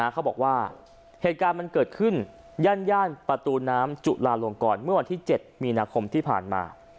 เขาบอกว่าเหตุการณ์มันเกิดขึ้นย่านประตูน้ำจุลาลงกรเมื่อวันที่๗มีนาคมที่ผ่านมา